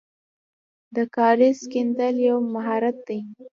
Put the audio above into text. د کاریز کیندل یو مهارت دی.